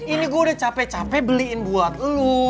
ini gue udah capek capek beliin buat lo